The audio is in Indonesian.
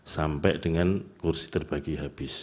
sampai dengan kursi terbagi habis